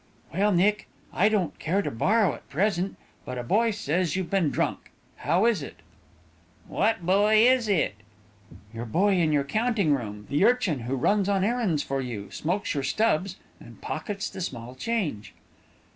"Well, Nick, I don't care to borrow at present, but a boy says you've been drunk. How is it?" "What boy is it?" "Your boy in your counting room the urchin who runs on errands for you, smokes your stubs, and pockets the small change."